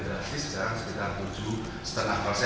drastis sekarang sekitar tujuh lima